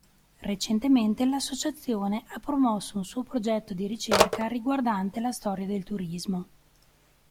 Recentemente l'Associazione ha promosso un suo progetto di ricerca riguardante la storia del turismo.